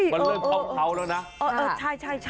เป็นเรื่องเขาแล้วนะใช่